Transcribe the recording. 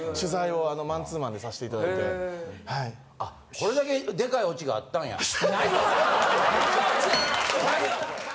取材をマンツーマンでさせていたあっ、これだけでかいオチがあったんや。